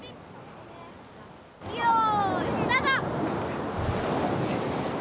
よーい、スタート。